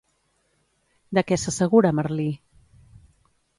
De què s'assegura Merlí?